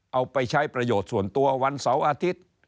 เอาไปใช้ประโยชน์ส่วนตัววันเสาร์อาทิตย์